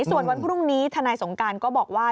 ส่วนวันพรุ่งนี้ทนายสงการก็บอกว่า